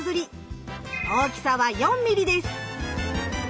大きさは４ｍｍです。